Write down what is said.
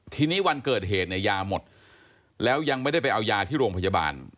ทีนี้วันเกิดเหตุเนี่ยยาหมดแล้วยังไม่ได้ไปเอายาที่โรงพยาบาล